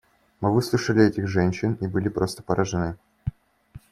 Мы выслушали этих женщин и были просто поражены.